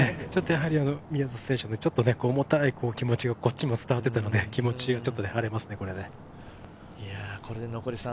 宮里選手、ちょっと重たい気持ちがこっちも伝わっていたので、これで気持ちが晴れますね。